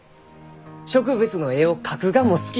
植物の絵を描くがも好き。